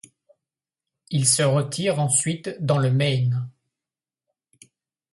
Il se retire ensuite dans le Maine.